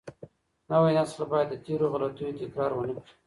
نوی نسل باید د تېرو غلطیو تکرار ونه کړي.